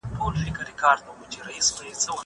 زه پرون زدکړه کوم!